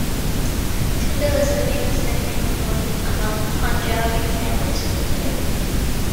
Tinda is a famous nickname among Punjabi families in India.